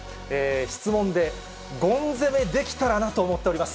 質問でごん攻めできたらなと思っております。